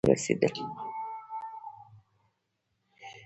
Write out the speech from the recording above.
چې هغه پاتې دوه موټرونه هم را ورسېدل.